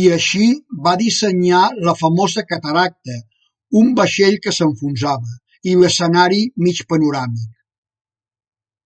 I així va dissenyar la famosa cataracta, un vaixell que s'enfonsava, i l'escenari mig panoràmic.